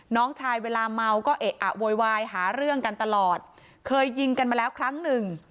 น้องชายเวลาเมาก็เอะอะโวยวายหาเรื่องกันตลอดเคยยิงกันมาแล้วครั้งหนึ่ง